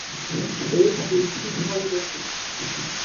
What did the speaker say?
এর তিনটি খন্ড ছিল।